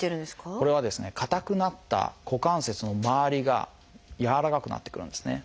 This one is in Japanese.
これはですね硬くなった股関節の周りが柔らかくなってくるんですね。